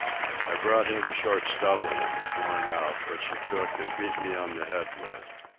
I brought him a short stubble that was worn out, which he took and beat me on the head with.